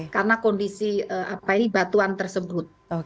karena kondisi batuan tersebut